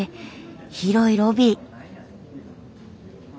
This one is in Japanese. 広いロビー。